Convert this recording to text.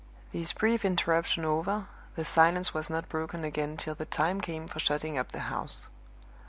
This brief interruption over, the silence was not broken again till the time came for shutting up the house.